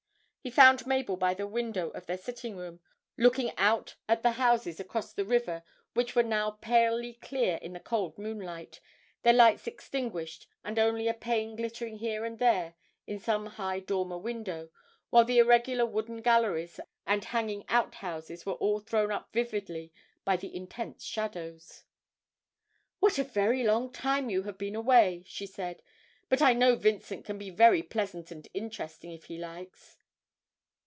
He found Mabel by the window of their sitting room, looking out at the houses across the river, which were now palely clear in the cold moonlight, their lights extinguished, and only a pane glittering here and there in some high dormer window, while the irregular wooden, galleries and hanging outhouses were all thrown up vividly by the intense shadows. 'What a very long time you have been away!' she said; 'but I know Vincent can be very pleasant and interesting if he likes.'